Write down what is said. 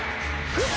フッ！